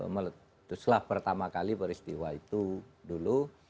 meletuslah pertama kali peristiwa itu dulu